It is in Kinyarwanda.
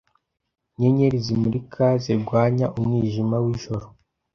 Inyenyeri zimurika zirwanya umwijima wijoro